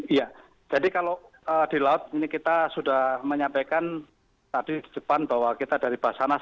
iya jadi kalau di laut ini kita sudah menyampaikan tadi di depan bahwa kita dari basarnas